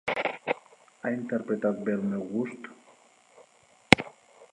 Ha interpretat bé el meu gust.